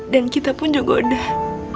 dan kita pun juga udah